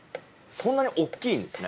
そんなに大っきいんですね。